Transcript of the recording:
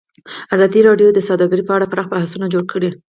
ازادي راډیو د سوداګري په اړه پراخ بحثونه جوړ کړي.